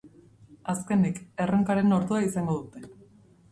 Azkenik, erronkaren ordua izango dute.